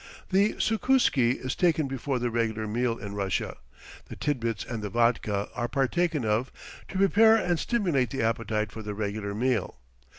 The sukuski is taken before the regular meal in Russia. The tidbits and the vodka are partaken of to prepare and stimulate the appetite for the regular meal.